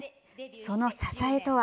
その支えとは？